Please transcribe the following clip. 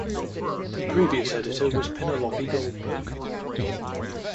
The previous editor was Pinelopi Goldberg.